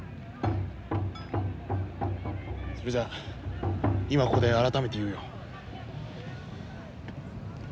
それじゃ今ここで改めて言うよ。